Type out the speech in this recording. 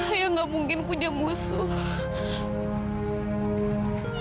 ayah gak mungkin punya musuh